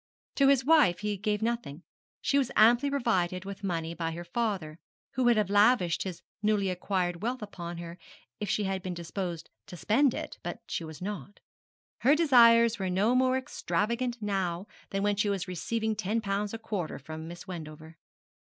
To his wife he gave nothing: she was amply provided with money by her father, who would have lavished his newly acquired wealth upon her if she had been disposed to spend it; but she was not. Her desires were no more extravagant now than when she was receiving ten pounds a quarter from Miss Wendover.